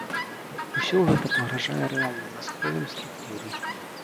Усё гэта пагражае рэальным расколам структуры.